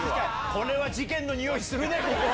これは事件のにおいするね、ここは。